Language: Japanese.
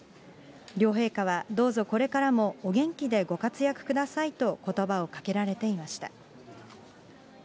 両陛下はどうぞこれからもお元気でご活躍くださいとことばをかけられていました。